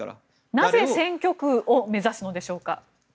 なぜ選挙区を目指すのでしょうか？